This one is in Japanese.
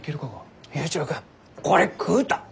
佑一郎君これ食うた？